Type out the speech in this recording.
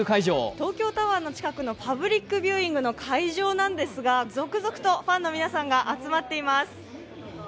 東京タワー近くのパブリックビューイングの会場なんですが続々とファンの皆さんが集まっています。